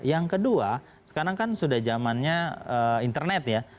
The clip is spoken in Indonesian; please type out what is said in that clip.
yang kedua sekarang kan sudah zamannya internet ya